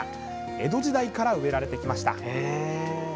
江戸時代から植えられてきました。